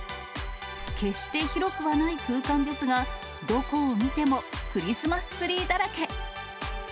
決して広くはない空間ですが、どこを見てもクリスマスツリーだらけ。